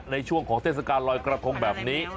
ในช่วงของเทศกาลลอยกระทงแบบนี้